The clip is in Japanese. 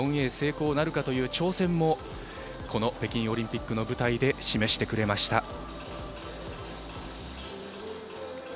成功なるかという挑戦も北京オリンピックの舞台で示してくれました。